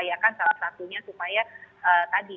yang kita upayakan salah satunya supaya tadi